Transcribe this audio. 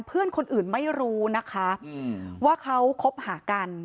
เพื่อนคนอื่นไม่รู้นะคะว่าเขาคบหากัน